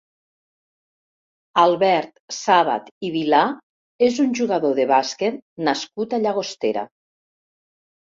Albert Sàbat i Vilà és un jugador de bàsquet nascut a Llagostera.